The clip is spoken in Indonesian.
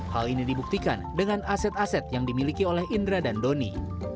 hal ini dibuktikan dengan aset aset yang dimiliki oleh indra dan doni